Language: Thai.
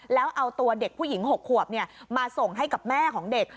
แล้วเอาตัวเด็กผู้หญิง๖ขวบมาส่งให้กับแม่ของเด็ก